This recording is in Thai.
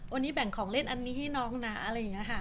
วันนี้แบ่งของเล่นอันนี้ให้น้องนะ